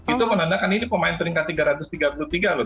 itu menandakan ini pemain peringkat tiga ratus tiga puluh tiga loh